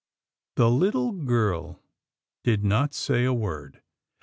The little girl did not say a word.